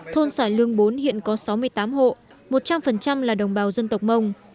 thôn xài lương bốn hiện có sáu mươi tám hộ một trăm linh là đồng bào dân tộc mông